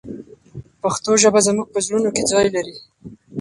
پښتو ژبه زموږ په زړونو کې ځای لري.